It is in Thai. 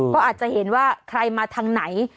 ก็อาจจะเห็นว่าใครมาทางไหน